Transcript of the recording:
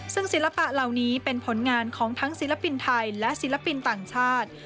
ซึ่งศิลปะเหล่านี้เป็นผลงานของทั้งศิลปินไทยและศิลปินต่างชาติ